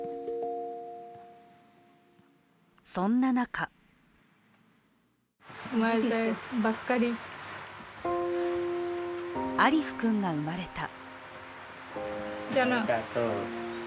そんな中アリフ君が生まれた。